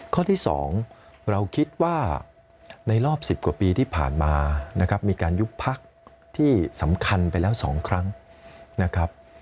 ข้อที่๒เราคิดว่าในรอบ๑๐กว่าปีที่ผ่านมานะครับมีการยุบพักที่สำคัญไปแล้ว๒ครั้งนะครับ